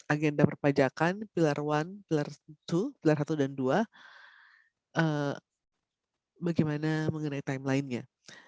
agenda perpajakan pilar satu pilar dua pilar satu dan dua bagaimana mengenai timelinenya